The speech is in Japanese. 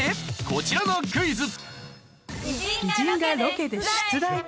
こちらのクイズ！